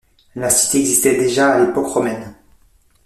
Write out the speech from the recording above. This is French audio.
La cité existait déjà à l'époque romaine.